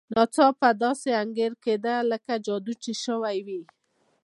ناڅاپه داسې انګېرل کېده لکه جادو چې شوی وي.